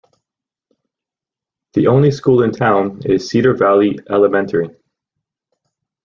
The only school in town is Cedar Valley Elementary.